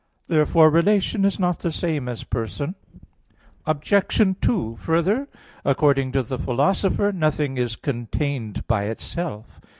Therefore relation is not the same as person. Obj. 2: Further, according to the Philosopher (Phys. iv, text. 24), nothing is contained by itself.